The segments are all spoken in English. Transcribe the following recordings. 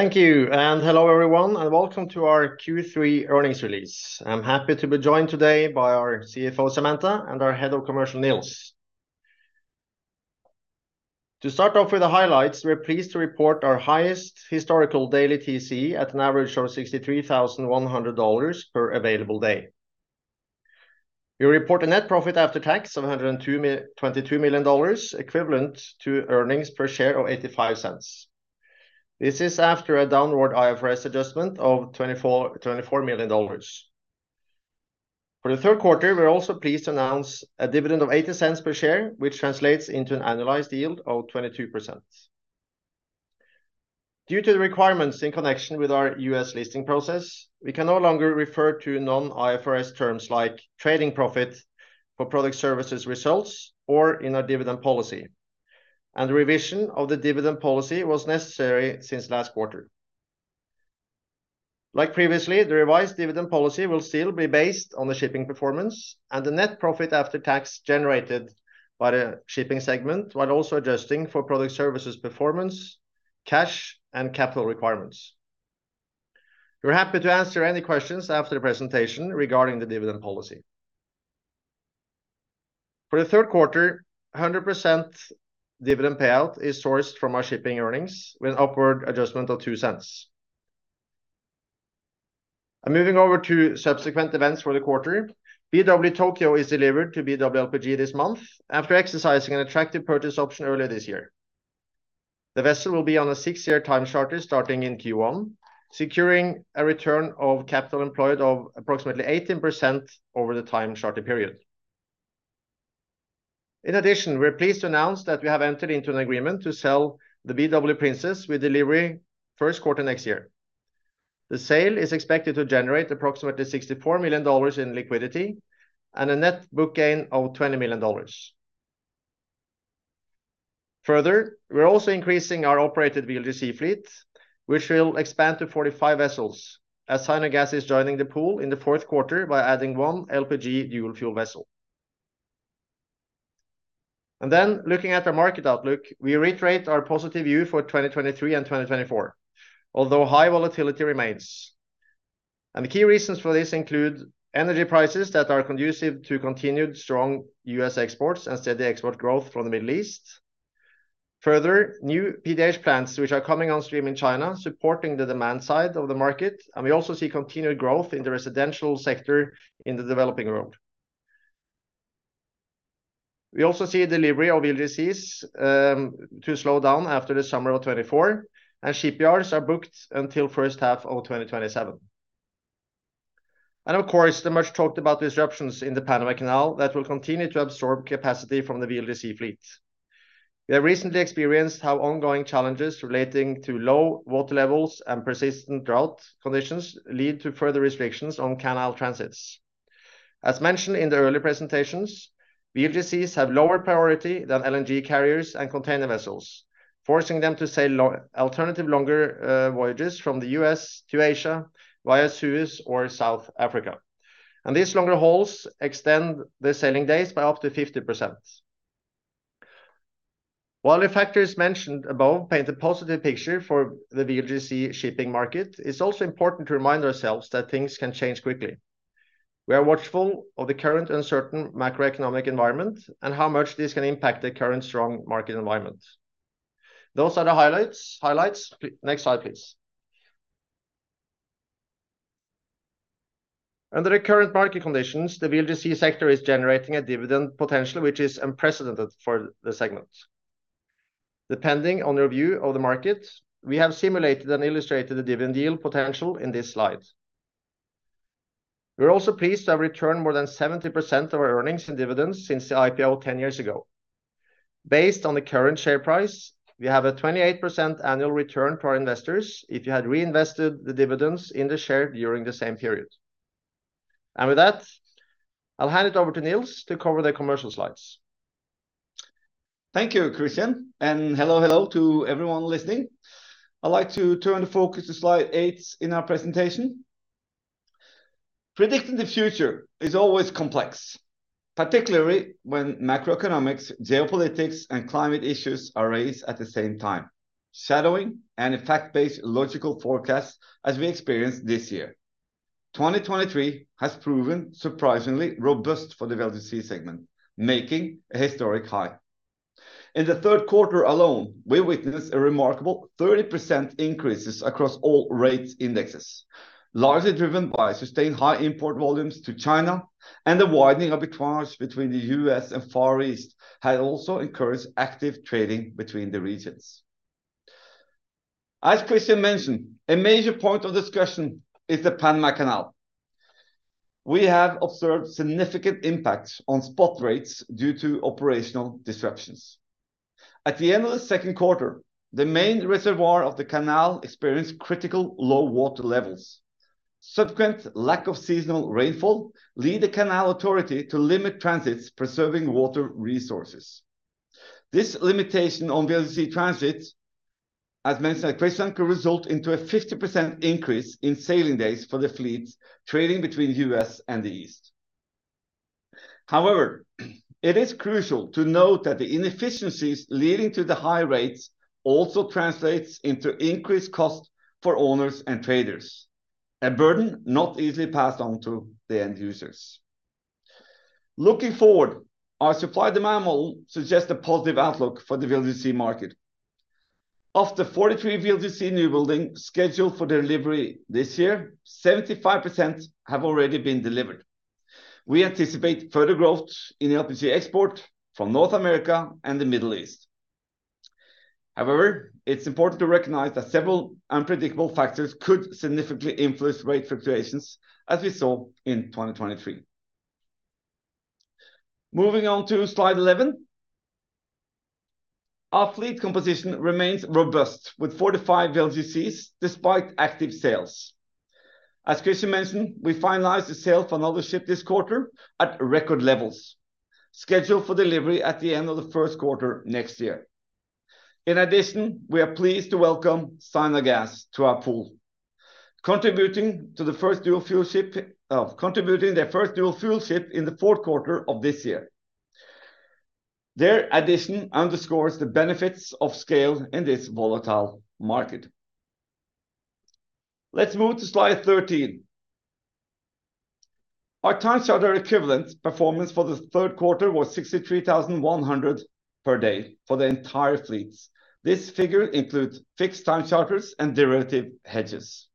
Thank you, and hello, everyone, and Welcome to our Q3 earnings release. I'm happy to be joined today by our CFO, Samantha, and our Head of Commercial, Niels. To start off with the highlights, we are pleased to report our highest historical daily TCE at an average of $63,100 per available day. We report a net profit after tax of $22 million, equivalent to earnings per share of $0.85. This is after a downward IFRS adjustment of $24 million. For the third quarter, we're also pleased to announce a dividend of $0.80 per share, which translates into an annualized yield of 22%. Due to the requirements in connection with our U.S. listing process, we can no longer refer to non-IFRS terms like trading profit for Product Services results or in our dividend policy. The revision of the dividend policy was necessary since last quarter. Like previously, the revised dividend policy will still be based on the shipping performance and the net profit after tax generated by the shipping segment, while also adjusting for Product Services performance, cash, and capital requirements. We're happy to answer any questions after the presentation regarding the dividend policy. For the third quarter, a 100% dividend payout is sourced from our shipping earnings, with an upward adjustment of $0.02. Moving over to subsequent events for the quarter, BW Tokyo is delivered to BW LPG this month after exercising an attractive purchase option earlier this year. The vessel will be on a six year time charter starting in Q1, securing a return of capital employed of approximately 18% over the time charter period. In addition, we're pleased to announce that we have entered into an agreement to sell the BW Princess with delivery first quarter next year. The sale is expected to generate approximately $64 million in liquidity and a net book gain of $20 million. Further, we're also increasing our operated VLGC fleet, which will expand to 45 vessels, as Sino Gas is joining the pool in the fourth quarter by adding one LPG dual fuel vessel. And then looking at our market outlook, we reiterate our positive view for 2023 and 2024, although high volatility remains. And the key reasons for this include energy prices that are conducive to continued strong U.S. exports and steady export growth from the Middle East. Further, new PDH plants, which are coming on stream in China, supporting the demand side of the market, and we also see continued growth in the residential sector in the developing world. We also see a delivery of VLGCs to slow down after the summer of 2024, and shipyards are booked until first half of 2027. Of course, the much talked about disruptions in the Panama Canal that will continue to absorb capacity from the VLGC fleet. We have recently experienced how ongoing challenges relating to low water levels and persistent drought conditions lead to further restrictions on canal transits. As mentioned in the early presentations, VLGCs have lower priority than LNG carriers and container vessels, forcing them to sail alternative longer voyages from the U.S. to Asia via Suez or South Africa. These longer hauls extend the sailing days by up to 50%. While the factors mentioned above paint a positive picture for the VLGC shipping market, it's also important to remind ourselves that things can change quickly. We are watchful of the current uncertain macroeconomic environment and how much this can impact the current strong market environment. Those are the highlights. Next slide, please. Under the current market conditions, the VLGC sector is generating a dividend potential which is unprecedented for the segment. Depending on your view of the market, we have simulated and illustrated the dividend yield potential in this slide. We're also pleased to have returned more than 70% of our earnings and dividends since the IPO 10 years ago. Based on the current share price, we have a 28% annual return for our investors if you had reinvested the dividends in the share during the same period. With that, I'll hand it over to Niels to cover the commercial slides. Thank you, Kristian, and hello, hello to everyone listening. I'd like to turn the focus to slide eight in our presentation. Predicting the future is always complex, particularly when macroeconomics, geopolitics, and climate issues are raised at the same time, shadowing and fact-based logical forecasts as we experienced this year. 2023 has proven surprisingly robust for the VLGC segment, making a historic high. In the third quarter alone, we witnessed a remarkable 30% increases across all rates indexes, largely driven by sustained high import volumes to China, and the widening of the arbitrage between the U.S. and Far East has also encouraged active trading between the regions. As Kristian mentioned, a major point of discussion is the Panama Canal. We have observed significant impacts on spot rates due to operational disruptions. At the end of the second quarter, the main reservoir of the canal experienced critical low water levels. Subsequent lack of seasonal rainfall led the canal authority to limit transits, preserving water resources. This limitation on VLGC transits, as mentioned by Kristian, could result into a 50% increase in sailing days for the fleet trading between U.S. and the East. However, it is crucial to note that the inefficiencies leading to the high rates also translates into increased cost for owners and traders, a burden not easily passed on to the end users. Looking forward, our supply demand model suggests a positive outlook for the VLGC market. Of the 43 VLGC new building scheduled for delivery this year, 75% have already been delivered. We anticipate further growth in the LPG export from North America and the Middle East. However, it's important to recognize that several unpredictable factors could significantly influence rate fluctuations, as we saw in 2023. Moving on to slide 11. Our fleet composition remains robust, with 45 VLGCs despite active sales. As Kristian mentioned, we finalized the sale for another ship this quarter at record levels, scheduled for delivery at the end of the first quarter next year. In addition, we are pleased to welcome Sinogas to our pool, contributing to the first dual fuel ship, contributing their first dual fuel ship in the fourth quarter of this year. Their addition underscores the benefits of scale in this volatile market. Let's move to slide 13. Our time charter equivalent performance for the third quarter was $63,100 per day for the entire fleet. This figure includes fixed time charters and derivative hedges.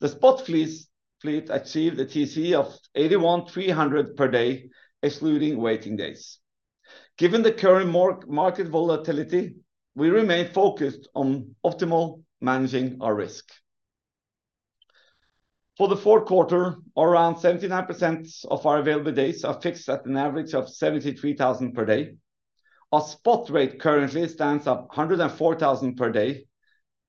The spot fleet achieved a TCE of $81,300 per day, excluding waiting days. Given the current market volatility, we remain focused on optimally managing our risk. For the fourth quarter, around 79% of our available days are fixed at an average of $73,000 per day. Our spot rate currently stands at $104,000 per day,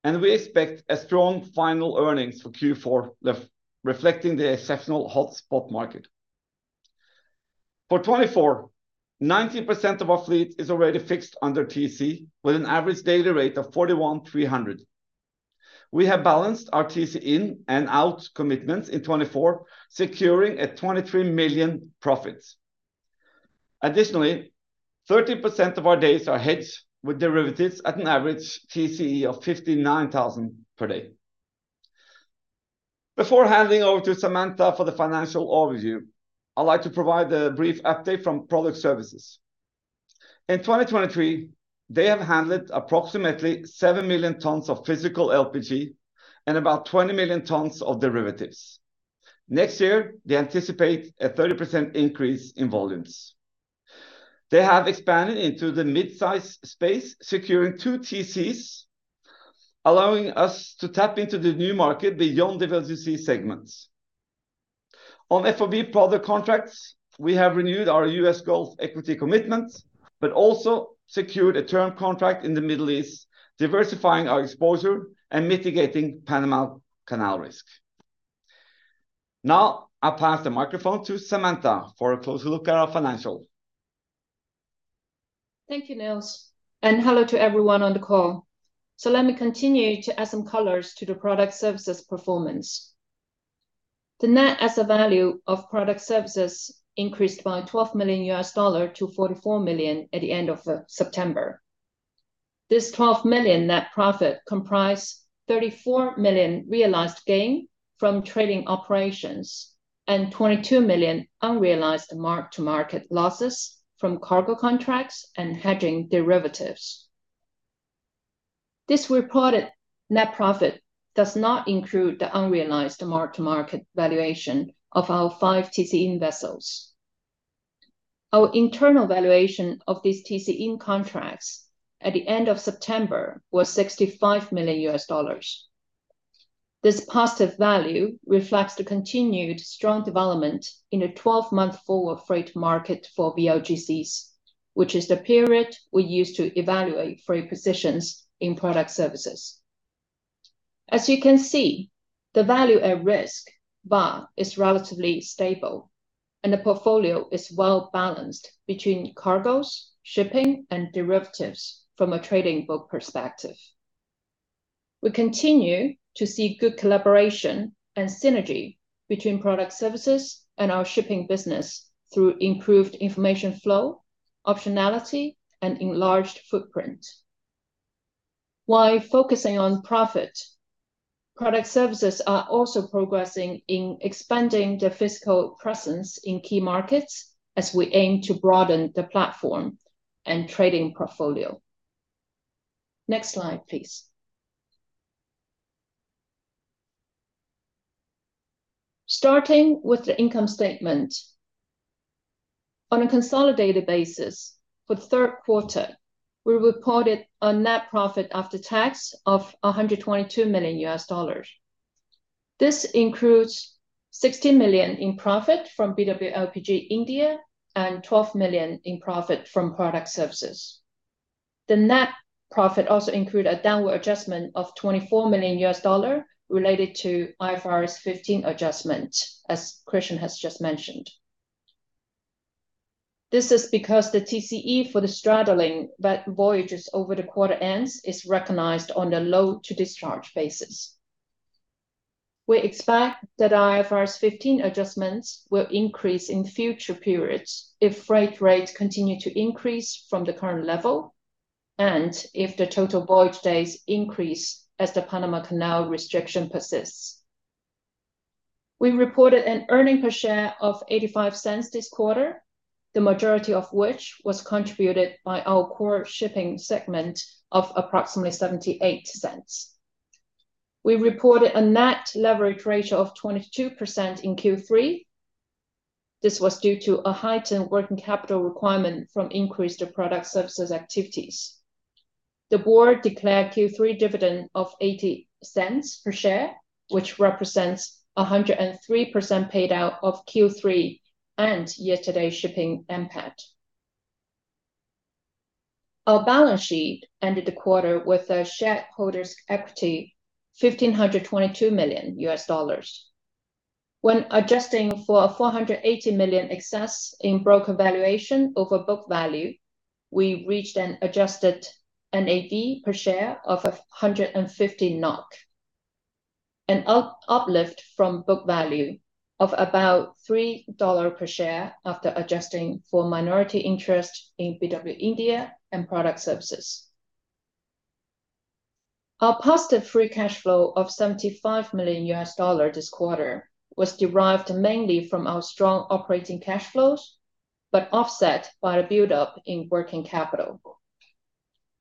and we expect strong final earnings for Q4, thereby reflecting the exceptional hot spot market. For 2024, 90% of our fleet is already fixed under TCE, with an average daily rate of $41,300. We have balanced our TCE in and out commitments in 2024, securing a $23 million profit. Additionally, 13% of our days are hedged with derivatives at an average TCE of $59,000 per day. Before handing over to Samantha for the financial overview, I'd like to provide a brief update from Product Services. In 2023, they have handled approximately 7 million tons of physical LPG, and about 20 million tons of derivatives. Next year, they anticipate a 30% increase in volumes. They have expanded into the mid-size space, securing two TCEs, allowing us to tap into the new market beyond the VLGC segments. On FOB product contracts, we have renewed our U.S. Gulf equity commitment, but also secured a term contract in the Middle East, diversifying our exposure and mitigating Panama Canal risk. Now, I pass the microphone to Samantha for a closer look at our financials. Thank you, Niels, and hello to everyone on the call. So let me continue to add some colors to the Product Services performance. The net asset value of Product Services increased by $12 million to $44 million at the end of September. This $12 million net profit comprised $34 million realized gain from trading operations, and $22 million unrealized mark-to-market losses from cargo contracts and hedging derivatives. This reported net profit does not include the unrealized mark-to-market valuation of our five TCE in vessels. Our internal valuation of these TCE in contracts at the end of September was $65 million. This positive value reflects the continued strong development in a 12-month forward freight market for VLGCs, which is the period we use to evaluate free positions in Product Services. As you can see, the value at risk, VaR, is relatively stable, and the portfolio is well-balanced between cargoes, shipping, and derivatives from a trading book perspective. We continue to see good collaboration and synergy between Product Services and our shipping business through improved information flow, optionality, and enlarged footprint. While focusing on profit, Product Services are also progressing in expanding their physical presence in key markets, as we aim to broaden the platform and trading portfolio. Next slide, please. Starting with the income statement. On a consolidated basis, for the third quarter, we reported a net profit after tax of $122 million. This includes $16 million in profit from BW LPG India and $12 million in profit from Product Services. The net profit also include a downward adjustment of $24 million related to IFRS 15 adjustment, as Kristian has just mentioned. This is because the TCE for the straddling that voyages over the quarter ends is recognized on a load to discharge basis. We expect that IFRS 15 adjustments will increase in future periods if freight rates continue to increase from the current level and if the total voyage days increase as the Panama Canal restriction persists. We reported an earnings per share of $0.85 this quarter, the majority of which was contributed by our core shipping segment of approximately $0.78. We reported a net leverage ratio of 22% in Q3. This was due to a heightened working capital requirement from increase to Product Services activities. The board declared Q3 dividend of $0.80 per share, which represents a 103% payout of Q3 and year-to-date shipping impact. Our balance sheet ended the quarter with a shareholders' equity of $1,522 million. When adjusting for $480 million excess in broker valuation over book value, we reached an adjusted NAV per share of 150 NOK, an uplift from book value of about $3 per share after adjusting for minority interest in BW India and Product Services. Our positive free cash flow of $75 million this quarter was derived mainly from our strong operating cash flows, but offset by the build-up in working capital.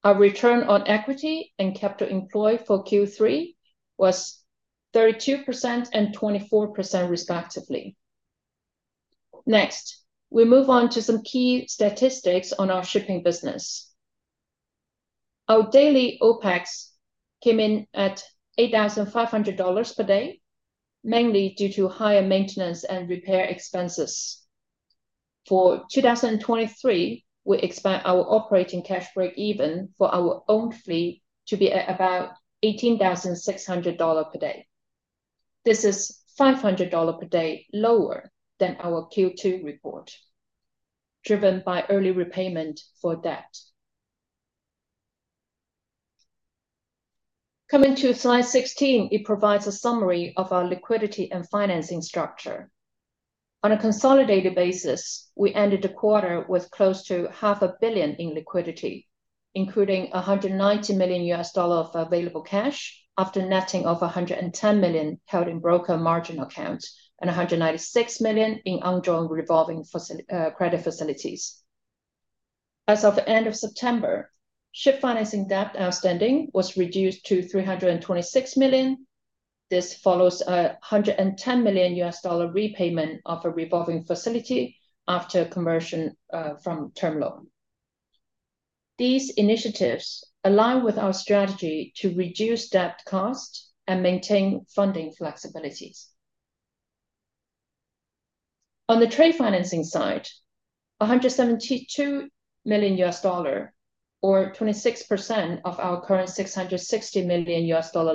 Our return on equity and capital employed for Q3 was 32% and 24% respectively. Next, we move on to some key statistics on our shipping business. Our daily OpEx came in at $8,500 per day, mainly due to higher maintenance and repair expenses. For 2023, we expect our operating cash break-even for our own fleet to be at about $18,600 per day. This is $500 per day lower than our Q2 report, driven by early repayment for debt. Coming to slide 16, it provides a summary of our liquidity and financing structure. On a consolidated basis, we ended the quarter with close to $500 million in liquidity, including $190 million of available cash, after netting off $110 million held in broker margin accounts and $196 million in undrawn revolving credit facilities. As of the end of September, ship financing debt outstanding was reduced to $326 million. This follows a $110 million repayment of a revolving facility after conversion from term loan. These initiatives align with our strategy to reduce debt cost and maintain funding flexibilities. On the trade financing side, $172 million, or 26% of our current $660 million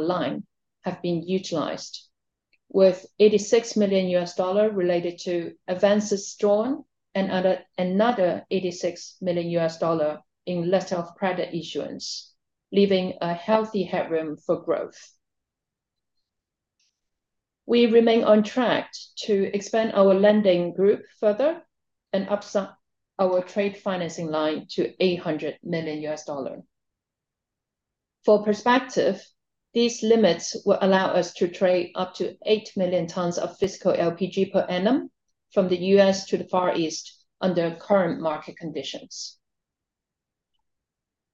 line, have been utilized, with $86 million related to advances drawn and another $86 million in letters of credit issuance, leaving a healthy headroom for growth. We remain on track to expand our lending group further and upsell our trade financing line to $800 million. For perspective, these limits will allow us to trade up to 8 million tons of physical LPG per annum from the U.S. to the Far East under current market conditions.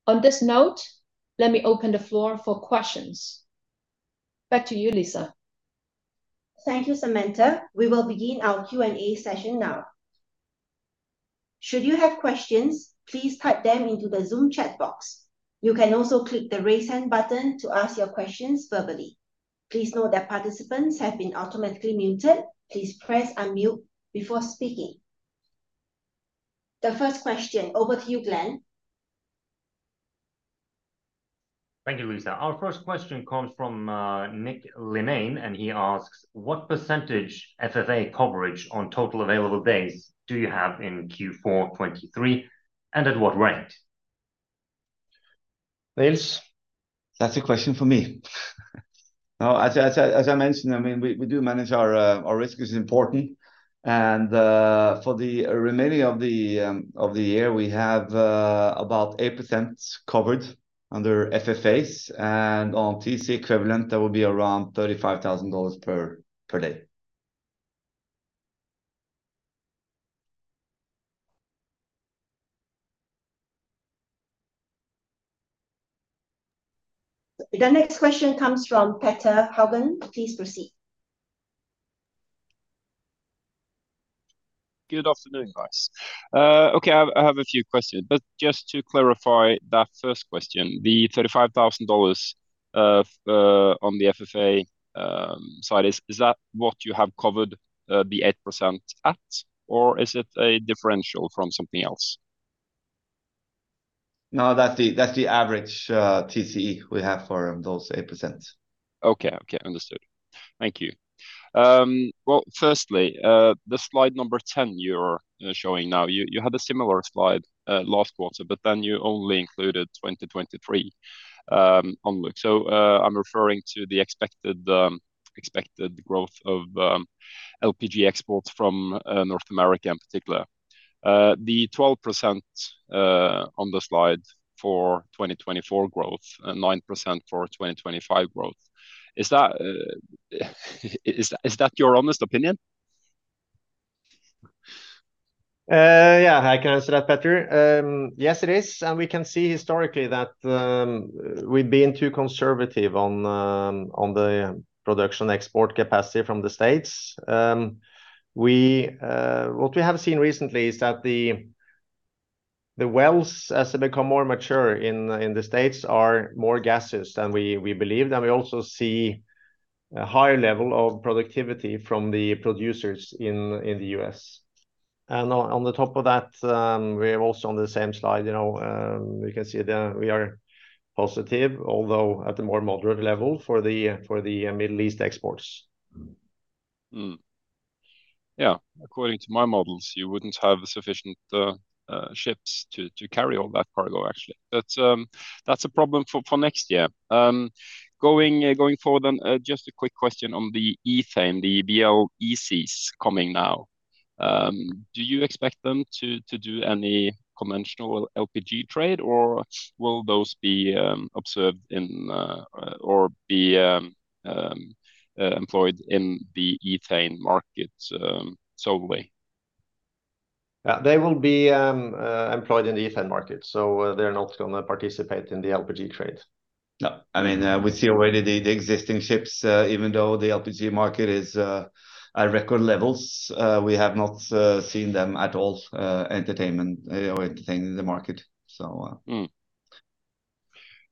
On this note, let me open the floor for questions. Back to you, Lisa. Thank you, Samantha. We will begin our Q&A session now. Should you have questions, please type them into the Zoom chat box. You can also click the Raise Hand button to ask your questions verbally. Please note that participants have been automatically muted. Please press unmute before speaking. The first question, over to you, Glenn. Thank you, Lisa. Our first question comes from Nick Linnane, and he asks: What percentage FFA coverage on total available days do you have in Q4 2023, and at what rate? Well, that's a question for me. Now, as I mentioned, I mean, we do manage our risk is important, and for the remaining of the year, we have about 8% covered under FFAs, and on TC equivalent, that will be around $35,000 per day. The next question comes from Petter Haugen. Please proceed. Good afternoon, guys. Okay, I have a few questions, but just to clarify that first question, the $35,000 on the FFA side, is that what you have covered the 8% at, or is it a differential from something else? No, that's the, that's the average TCE we have for those 8%. Okay. Okay. Understood. Thank you. Well, firstly, the slide number 10 you're showing now, you had a similar slide last quarter, but then you only included 2023 outlook. So, I'm referring to the expected growth of LPG exports from North America in particular. The 12% on the slide for 2024 growth and 9% for 2025 growth, is that your honest opinion? Yeah, I can answer that, Petter. Yes, it is, and we can see historically that, we've been too conservative on, on the production export capacity from the States. What we have seen recently is that the wells, as they become more mature in the States, are more gaseous than we believed. And we also see a higher level of productivity from the producers in the U.S. And on the top of that, we're also on the same slide, you know, we can see we are positive, although at a more moderate level for the Middle East exports. Mm. Yeah, according to my models, you wouldn't have sufficient ships to carry all that cargo, actually. But that's a problem for next year. Going forward then, just a quick question on the ethane, the VLEC is coming now. Do you expect them to do any conventional LPG trade, or will those be observed in or be employed in the ethane market solely? Yeah. They will be employed in the ethane market, so they're not gonna participate in the LPG trade. No, I mean, we see already the existing ships even though the LPG market is at record levels, we have not seen them at all, entertaining the market, so-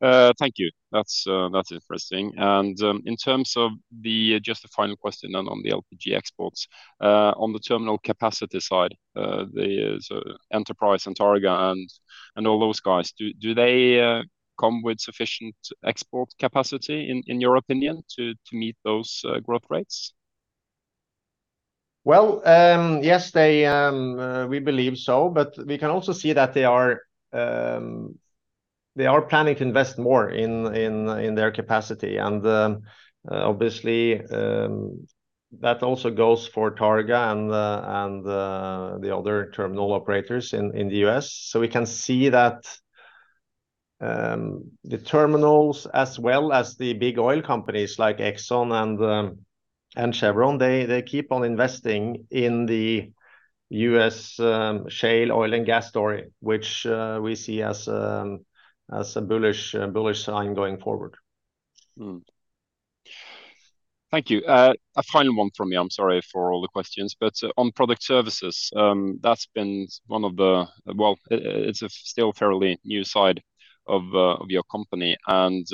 Thank you. That's interesting. In terms of the... Just a final question on the LPG exports. On the terminal capacity side, so Enterprise and Targa and all those guys, do they come with sufficient export capacity, in your opinion, to meet those growth rates? Well, yes, they, we believe so, but we can also see that they are planning to invest more in their capacity. And, obviously, that also goes for Targa and the other terminal operators in the U.S. So we can see that the terminals, as well as the big oil companies like Exxon and Chevron, they keep on investing in the U.S. shale oil and gas story, which we see as a bullish sign going forward. Thank you. A final one from me, I'm sorry for all the questions, but on Product Services, that's been one of the... Well, it's still a fairly new side of your company. And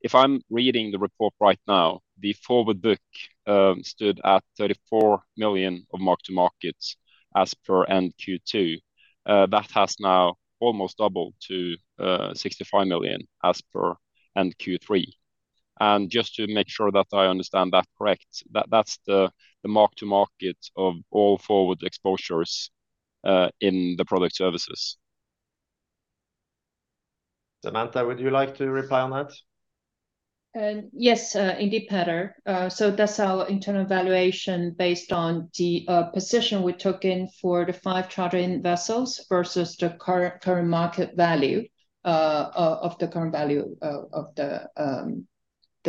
if I'm reading the report right now, the forward book stood at $34 million of mark-to-market as per end Q2. That has now almost doubled to $65 million as per end Q3. And just to make sure that I understand that correct, that's the mark-to-market of all forward exposures in the Product Services? Samantha, would you like to reply on that? Yes, indeed, Petter. So that's our internal valuation based on the position we took in for the five chartering vessels versus the current market value of the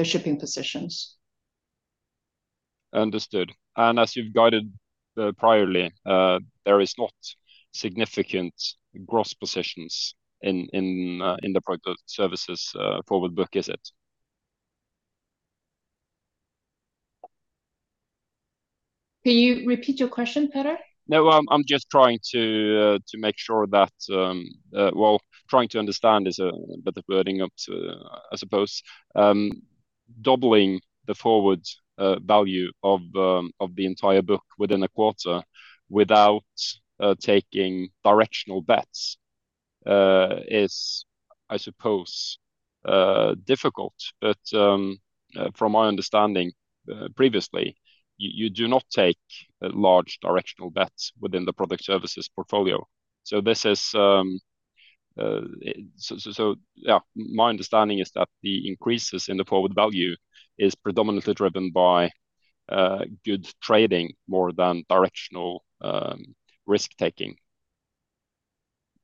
shipping positions. Understood. And as you've guided previously, there is not significant gross positions in the Product Services forward book, is it? Can you repeat your question, Petter? No, I'm just trying to make sure that... Well, trying to understand is better wording, to I suppose. Doubling the forward value of the entire book within a quarter without taking directional bets is, I suppose, difficult. But from my understanding, previously, you do not take large directional bets within the Product Services portfolio. So this is, so yeah, my understanding is that the increases in the forward value is predominantly driven by good trading more than directional risk-taking.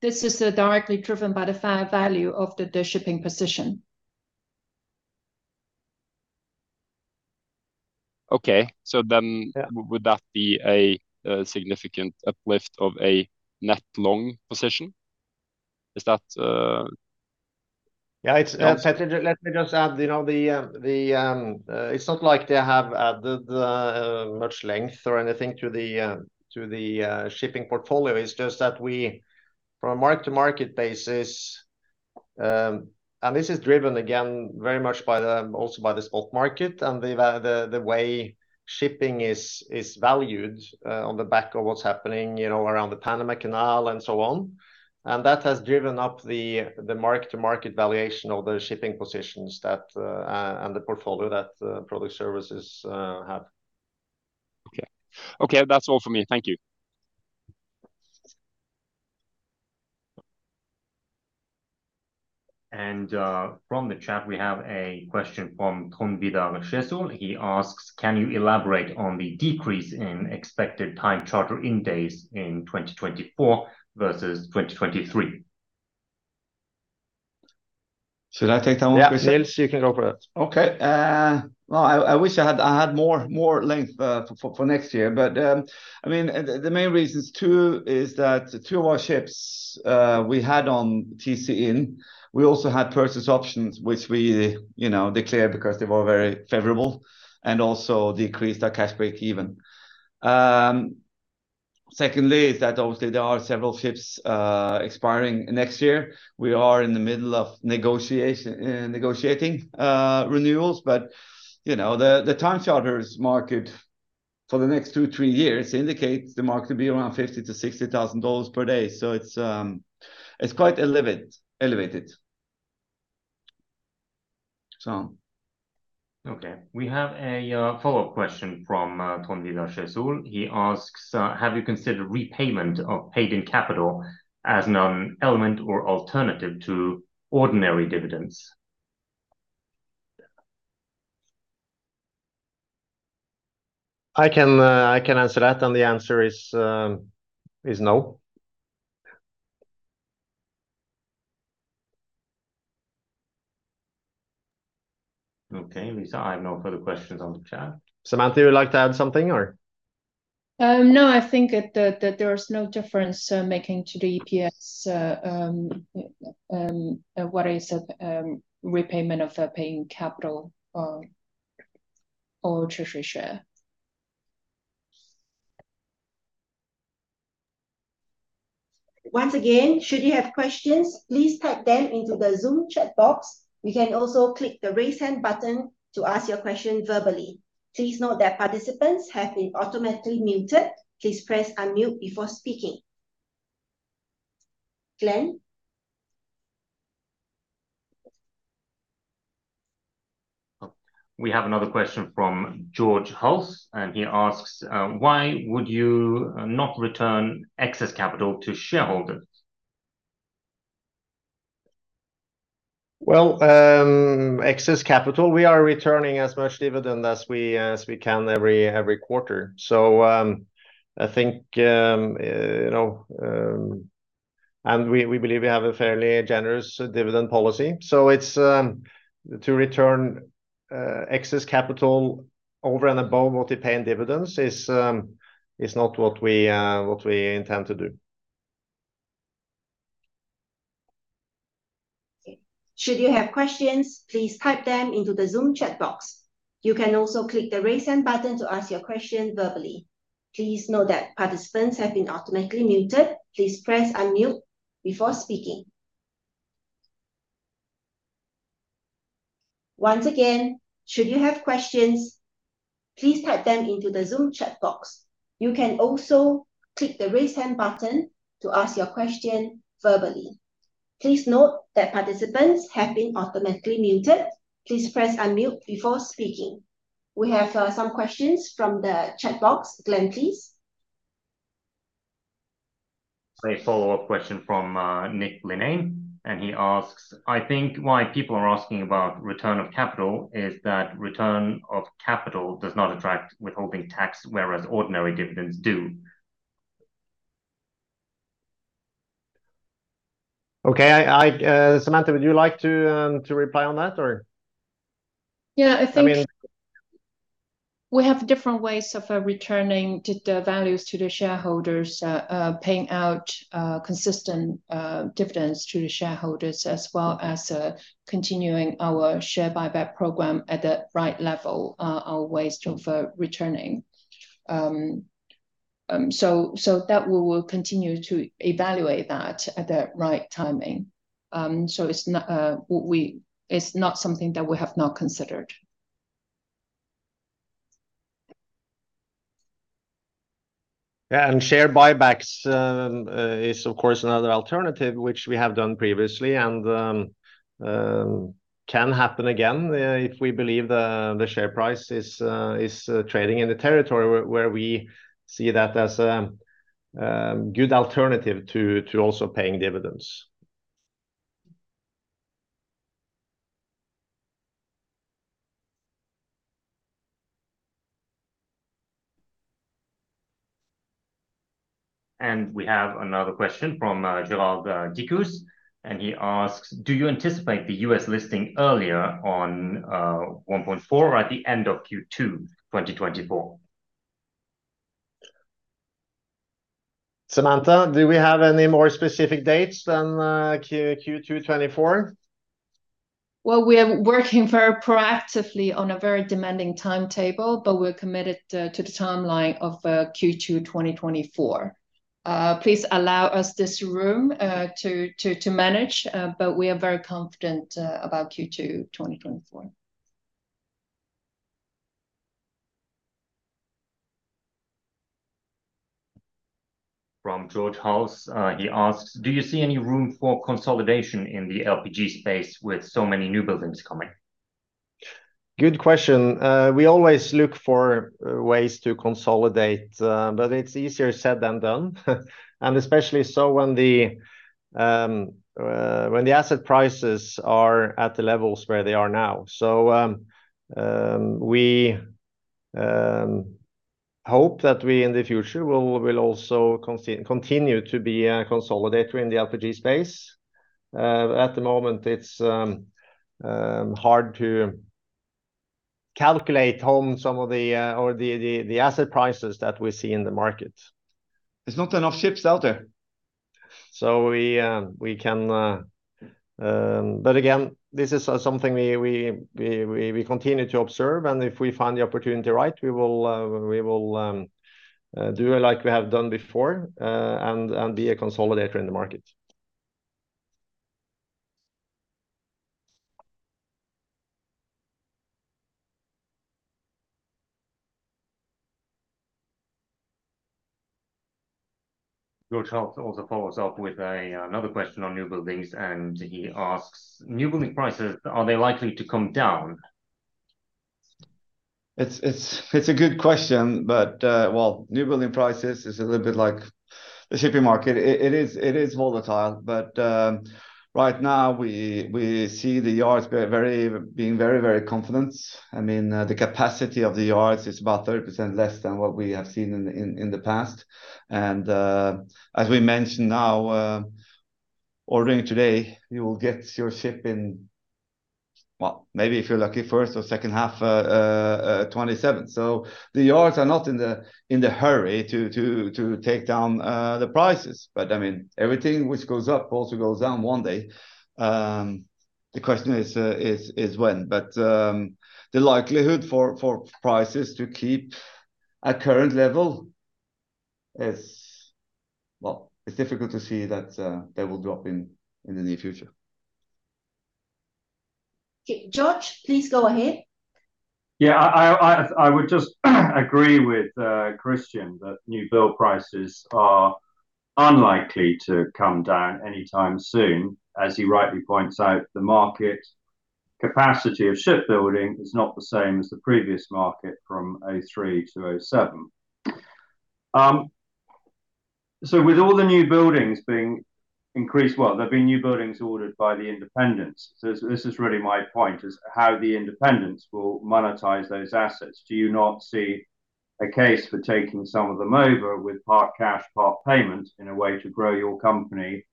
This is directly driven by the fair value of the shipping position. Okay. So then- Yeah... would that be a significant uplift of a net long position? Is that- Yeah, it's- Yeah ...Petter, let me just add, you know, it's not like they have added much length or anything to the shipping portfolio. It's just that we, from a mark-to-market basis, and this is driven again, very much by the spot market and the way shipping is valued on the back of what's happening, you know, around the Panama Canal and so on. And that has driven up the market-to-market valuation of the shipping positions that and the portfolio that Product Services have. Okay. Okay, that's all for me. Thank you. And from the chat, we have a question from Tom Vidar Skjesol. He asks: "Can you elaborate on the decrease in expected time charter in days in 2024 versus 2023? Should I take that one question? Yeah, Niels, you can go for that. Okay. Well, I wish I had more length for next year, but, I mean, the main reasons, too, is that two of our ships we had on TC IN, we also had purchase options, which we, you know, declared because they were very favorable and also decreased our cash breakeven. Secondly, is that obviously there are several ships expiring next year. We are in the middle of negotiating renewals, but, you know, the time charters market for the next two, three years indicates the market to be around $50,000-$60,000 per day. So it's quite elevated. So. Okay. We have a follow-up question from Tom Vidar Skjesol. He asks: "Have you considered repayment of paid-in capital as an element or alternative to ordinary dividends? I can answer that, and the answer is no. Okay. Lisa, I have no further questions on the chat. Samantha, would you like to add something or? No, I think that there is no difference it makes to the EPS, what is the return of capital or treasury share. Once again, should you have questions, please type them into the Zoom chat box. You can also click the Raise Hand button to ask your question verbally. Please note that participants have been automatically muted. Please press unmute before speaking. Glenn? We have another question from George Hulse, and he asks: "Why would you not return excess capital to shareholders? Well, excess capital, we are returning as much dividend as we can every quarter. So, I think, you know... And we believe we have a fairly generous dividend policy. So it's to return excess capital over and above what we pay in dividends is not what we intend to do. Should you have questions, please type them into the Zoom chat box. You can also click the Raise Hand button to ask your question verbally. Please note that participants have been automatically muted. Please press unmute before speaking. Once again, should you have questions, please type them into the Zoom chat box. You can also click the Raise Hand button to ask your question verbally. Please note that participants have been automatically muted. Please press unmute before speaking. We have some questions from the chat box. Glenn, please. A follow-up question from Nick Linnane, and he asks, "I think why people are asking about return of capital is that return of capital does not attract withholding tax, whereas ordinary dividends do. Okay. I, Samantha, would you like to reply on that, or? Yeah, I think- I mean- We have different ways of returning to the values to the shareholders, paying out consistent dividends to the shareholders, as well as continuing our share buyback program at the right level, are ways to returning. So that we will continue to evaluate that at the right timing. So it's not, it's not something that we have not considered. Yeah, and share buybacks is, of course, another alternative, which we have done previously, and can happen again, if we believe the share price is trading in the territory where we see that as a good alternative to also paying dividends. We have another question from Gerald Dicus, and he asks, "Do you anticipate the U.S. listing earlier on April 1 or at the end of Q2 2024? Samantha, do we have any more specific dates than Q2 2024? Well, we are working very proactively on a very demanding timetable, but we're committed to the timeline of Q2 2024. Please allow us this room to manage, but we are very confident about Q2 2024. From George Hulse, he asks: "Do you see any room for consolidation in the LPG space with so many new buildings coming? Good question. We always look for ways to consolidate, but it's easier said than done. And especially so when the asset prices are at the levels where they are now. So, we hope that we, in the future, will also continue to be a consolidator in the LPG space. At the moment, it's hard to calculate how some of the asset prices that we see in the market. There's not enough ships out there. But again, this is something we continue to observe, and if we find the opportunity right, we will do it like we have done before, and be a consolidator in the market. George also follows up with another question on newbuildings, and he asks, "Newbuilding prices, are they likely to come down? It's a good question, but well, newbuilding prices is a little bit like the shipping market. It is volatile, but right now, we see the yards being very, very confident. I mean, the capacity of the yards is about 30% less than what we have seen in the past. And as we mentioned now, ordering today, you will get your ship in, well, maybe if you're lucky, first or second half 2027. So the yards are not in the hurry to take down the prices. But I mean, everything which goes up also goes down one day. The question is, is when? But, the likelihood for prices to keep at current level is, well, it's difficult to see that they will drop in the near future. George, please go ahead. Yeah, I would just agree with Kristian, that new build prices are unlikely to come down anytime soon. As he rightly points out, the market capacity of shipbuilding is not the same as the previous market from 2003 to 2007. So with all the new buildings being increased, well, there've been new buildings ordered by the independents. So this, this is really my point, is how the independents will monetize those assets. Do you not see a case for taking some of them over with part cash, part payment, in a way to grow your company,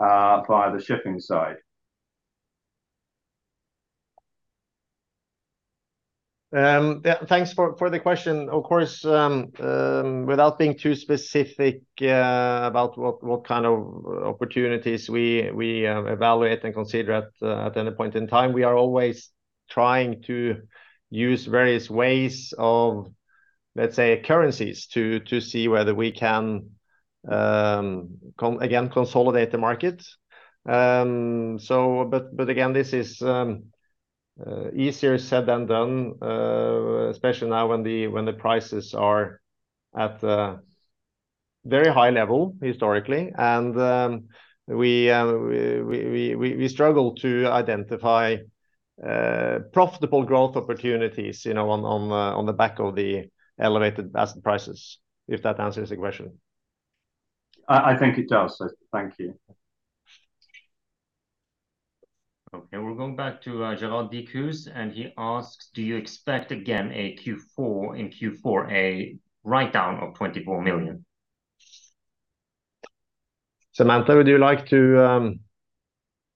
via the shipping side? Yeah, thanks for the question. Of course, without being too specific, about what kind of opportunities we evaluate and consider at any point in time, we are always trying to use various ways of, let's say, currencies, to see whether we can consolidate the market. So but again, this is easier said than done, especially now when the prices are at a very high level historically, and we struggle to identify profitable growth opportunities, you know, on the back of the elevated asset prices, if that answers the question. I think it does, so thank you. Okay, we're going back to Gerald Dicus, and he asks, "Do you expect again a Q4, in Q4, a write-down of $24 million? Samantha, would you like to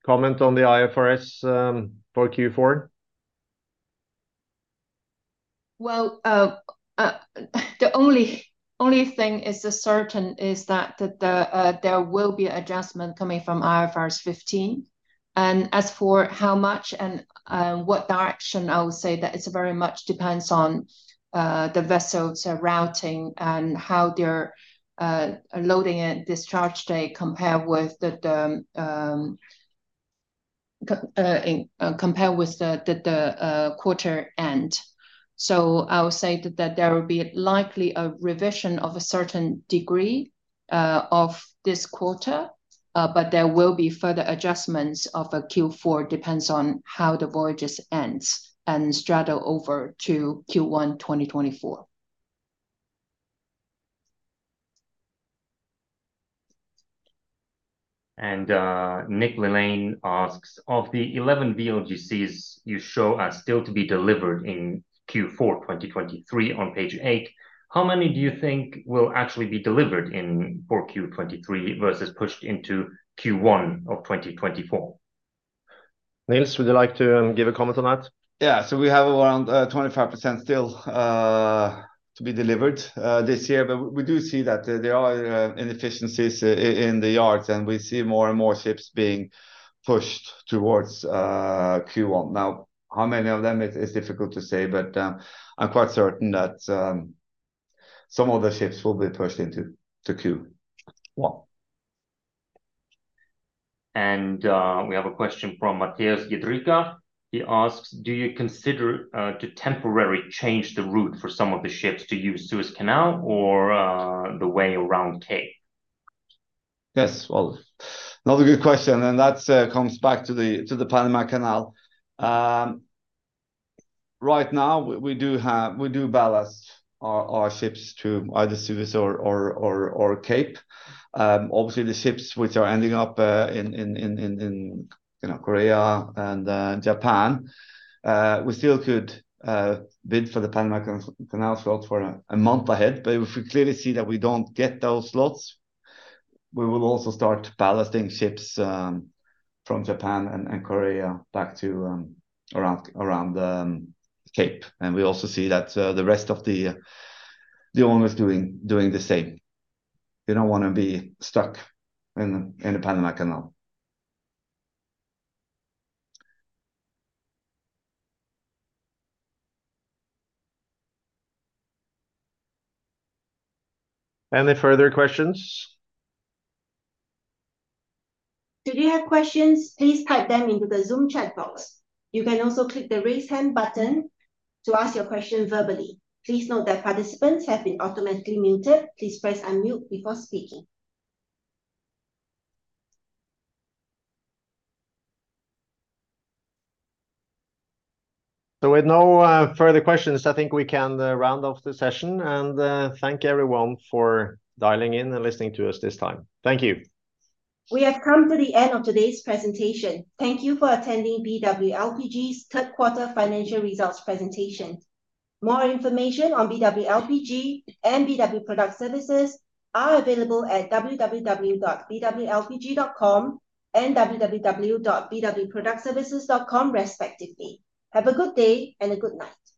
comment on the IFRS for Q4? Well, the only thing is certain is that there will be adjustment coming from IFRS 15. And as for how much and what direction, I would say that it very much depends on the vessels routing and how their loading and discharge day compare with the quarter end. So I would say that there will be likely a revision of a certain degree of this quarter, but there will be further adjustments of a Q4, depends on how the voyages ends and straddle over to Q1 2024. Nick Linnane asks, "Of the 11 VLGCs you show are still to be delivered in Q4 2023 on page eight, how many do you think will actually be delivered in Q4 2023 versus pushed into Q1 of 2024? Niels, would you like to give a comment on that? Yeah. So we have around 25% still to be delivered this year. But we do see that there are inefficiencies in the yards, and we see more and more ships being pushed towards Q1. Now, how many of them, it's difficult to say, but I'm quite certain that some of the ships will be pushed into Q1. We have a question from Matthias Gedrika. He asks, "Do you consider to temporarily change the route for some of the ships to use Suez Canal or the way around Cape? Yes, well, another good question, and that comes back to the Panama Canal. Right now, we ballast our ships to either Suez or Cape. Obviously, the ships which are ending up in Korea and Japan, we still could bid for the Panama Canal slot for a month ahead. But if we clearly see that we don't get those slots, we will also start ballasting ships from Japan and Korea back to around Cape. And we also see that the rest of the owners doing the same. They don't wanna be stuck in the Panama Canal. Any further questions? If you have questions, please type them into the Zoom chat box. You can also click the Raise Hand button to ask your question verbally. Please note that participants have been automatically muted. Please press unmute before speaking. With no further questions, I think we can round off the session, and thank everyone for dialing in and listening to us this time. Thank you. We have come to the end of today's presentation. Thank you for attending BW LPG's third quarter financial results presentation. More information on BW LPG and BW Product Services are available at www.bwlpg.com and www.bwproductservices.com respectively. Have a good day and a good night.